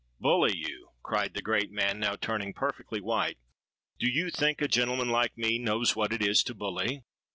'—'Bully you!' cried the great man, now turning perfectly white: 'do you think a gentleman like me knows what it is to bully?'